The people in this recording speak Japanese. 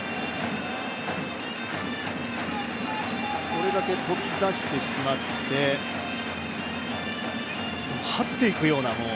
これだけ飛び出してしまって、はっていくような。